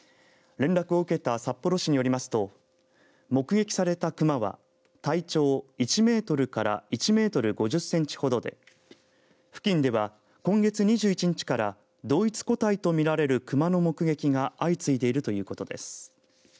連絡を受けた札幌市によりますと目撃された熊は体長１メートルから１メートル５０センチほどで付近では今月２１日から同一個体と見られる熊の目撃が相次いでいるということです。